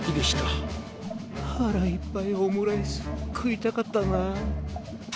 こころのこえはらいっぱいオムライスくいたかったな。